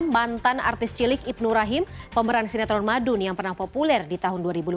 mantan artis cilik ibnur rahim pemeran sinetron madun yang pernah populer di tahun dua ribu lima belas